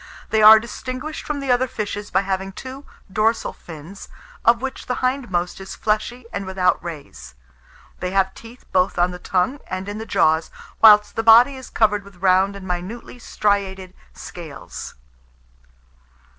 They are distinguished from the other fishes by having two dorsal fins, of which the hindmost is fleshy and without rays. They have teeth both on the tongue and in the jaws, whilst the body is covered with round and minutely striated scales.